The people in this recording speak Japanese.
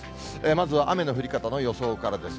まずは雨の降り方の予想からです。